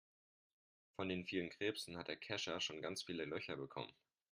Von den vielen Krebsen hat der Kescher schon ganz viele Löcher bekommen.